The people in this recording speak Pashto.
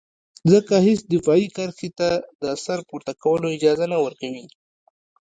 ځکه هېڅ دفاعي کرښې ته د سر پورته کولو اجازه نه ورکوي.